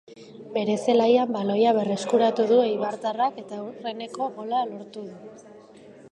Bere zelaian baloia berreskuratu du eibartarrak eta aurreneko gola lortu du.